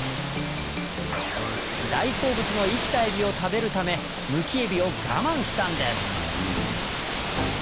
大好物の生きたエビを食べるためむきエビをガマンしたんです